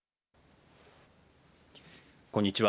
こんにちは。